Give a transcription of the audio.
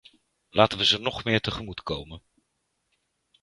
Laten we ze nog meer tegemoetkomen.